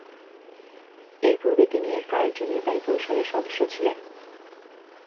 এর পূর্বে তিনি এর কার্যনির্বাহী পরিষদের সদস্য ছিলেন।